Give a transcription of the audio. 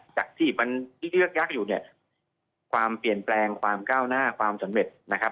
จากที่มันยึกยักษ์อยู่เนี่ยความเปลี่ยนแปลงความก้าวหน้าความสำเร็จนะครับ